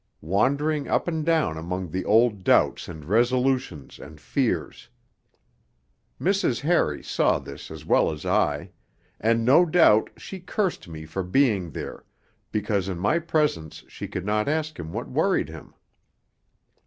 wandering up and down among the old doubts and resolutions and fears.... Mrs. Harry saw this as well as I ... and, no doubt, she cursed me for being there because in my presence she could not ask him what worried him.